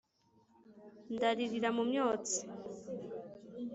ndaririra mu myotsi